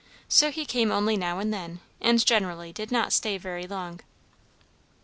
So he came only now and then, and generally did not stay very long.